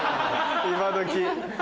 今どき。